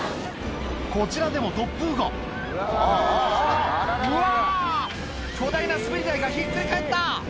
こちらでも突風が「あぁあぁあぁうわ！」「巨大な滑り台がひっくり返った！」